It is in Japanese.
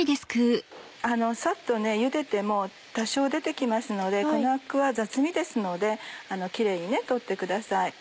サッとゆでても多少出て来ますのでこのアクは雑味ですのでキレイに取ってください。